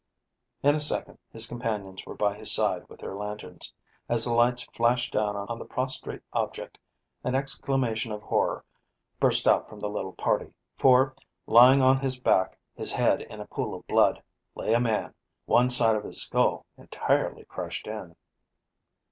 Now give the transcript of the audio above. In a second his companions were by his side with their lanterns. As the lights flashed down on the prostrate object, an exclamation of horror burst out from the little party, for, lying on his back, his head in a pool of blood, lay a man, one side of his skull entirely crushed in.